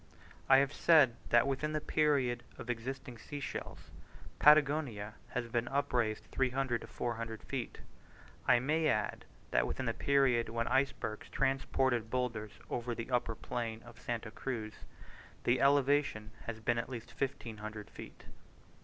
I have said that within the period of existing sea shells, Patagonia has been upraised 300 to 400 feet: I may add, that within the period when icebergs transported boulders over the upper plain of Santa Cruz, the elevation has been at least 1500 feet.